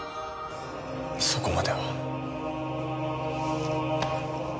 そこまでは。